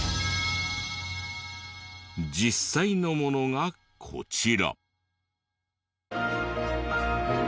実際のものがこちら。